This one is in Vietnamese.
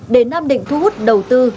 để nam định thu hút đầu tư